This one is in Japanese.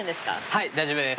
はい、大丈夫です。